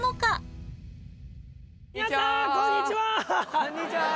こんにちは！